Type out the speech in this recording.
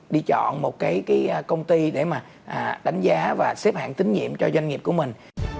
đi chọn một cái công ty để mà đánh giá và xếp hạng tín nhiệm cho doanh nghiệp của mình